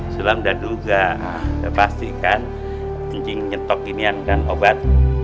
sulam dan duga pastikan pencing nyetok ini yang kan obat